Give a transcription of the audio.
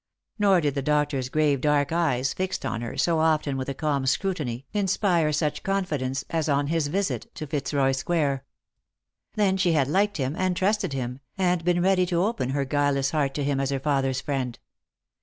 Nor did the doctor's grave dark eyes, fixed on her so often with a calm scrutiny, inspire such confidence as on his visit to Fitzroy square. Then she had liked him, and trusted him, and been read}' to open her guileless heart to him as her father's friend.